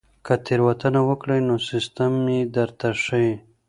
که تېروتنه وکړئ نو سیستم یې درته ښيي.